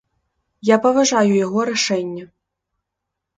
Я паважаю яго рашэнне.